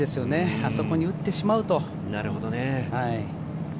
あそこに打ってしまうと。